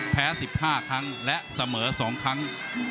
แพ้๑๕ครั้งและเสมอ๒ครั้ง